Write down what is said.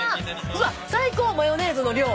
うわ最高マヨネーズの量。